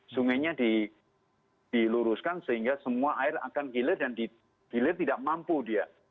sungainya diluruskan sehingga semua air akan gilir dan dihilir tidak mampu dia